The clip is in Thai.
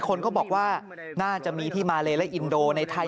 คนก็บอกว่าน่าจะมีที่มาเลและอินโดในไทย